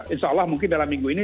insya allah mungkin dalam minggu ini